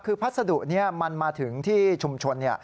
คือพัสดุนี้มันมาถึงที่ชุมชน